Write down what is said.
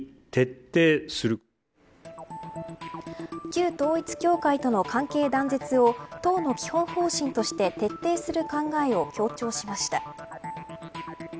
旧統一教会との関係断絶を党の基本方針として徹底する考えを強調しました。